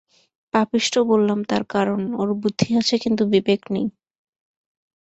পাপিষ্ঠ বললাম তার কারণ, ওর বুদ্ধি আছে কিন্তু বিবেক নেই।